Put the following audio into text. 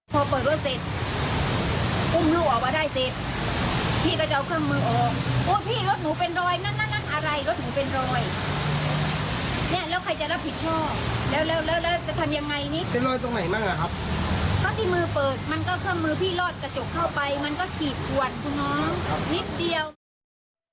จบเข้าไปมันก็ขีดหวั่นคุณน้องนิดเดียว